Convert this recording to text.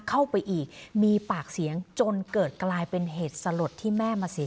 เข้าไปอีกมีปากเสียงจนเกิดกลายเป็นเหตุสลดที่แม่มาเสีย